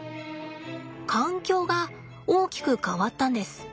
環境が大きく変わったんです。